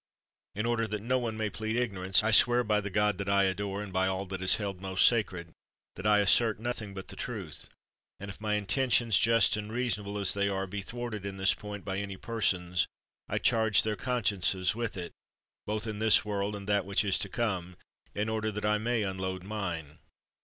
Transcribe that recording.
In order that no one may plead ignorance, I swear by the God that I adore, and by all that is held most sacred, that I assert nothing but the truth: and if my intentions, just and reasonable as they are, be thwarted in this point by any persons, I charge their consciences with it, both in this world and that which is to come, in order that I may unload mine.